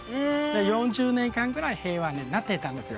４０年間ぐらい平和になってたんですよ